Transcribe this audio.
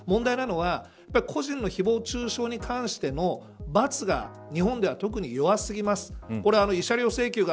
ただ、問題なのは個人の誹謗中傷に関しての罰が日本では特に弱すぎます。